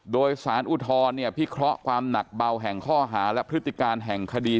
โดยสารอุทธรณ์พิเคราะห์ความหนักเบาแห่งข้อหาและพฤติการแห่งคดี